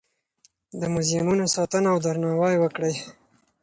د موزیمونو ساتنه او درناوی وکړئ.